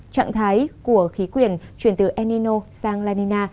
trạng thái của khí quyển chuyển từ enino sang lanina